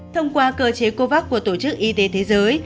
thông qua cơ chế covax của tổ chức y tế thế giới